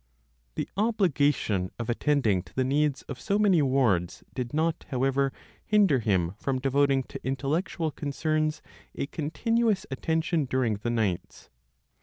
The obligation of attending to the needs of so many wards did not, however, hinder him from devoting to intellectual concerns a continuous attention during the nights.